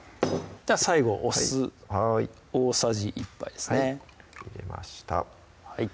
最後お酢はい大さじ１杯ですね入れました